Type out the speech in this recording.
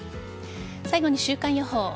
最後に週間予報。